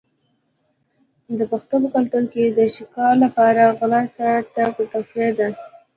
د پښتنو په کلتور کې د ښکار لپاره غره ته تګ تفریح ده.